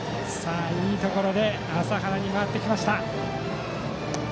いいところで麻原に回ってきました。